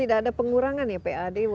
ada pengurangan ya pad